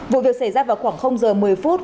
vụ việc xảy ra vào khoảng giờ một mươi phút